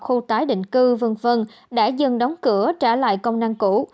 khu tái định cư v v đã dần đóng cửa trả lại công năng cũ